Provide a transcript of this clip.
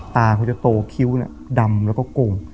ตาเขาจะโตคิ้วดำแล้วก็โก่ง